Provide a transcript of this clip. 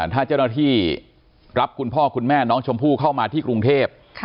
ถ้าเจ้าหน้าที่รับคุณพ่อคุณแม่น้องชมพู่เข้ามาที่กรุงเทพ